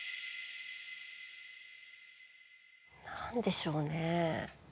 なんでしょうね。